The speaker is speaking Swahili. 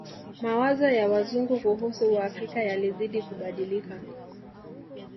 Mawazo ya Wazungu kuhusu Waafrika yalizidi kubadilika